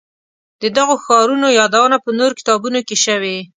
د دغو ښارونو یادونه په نورو کتابونو کې شوې.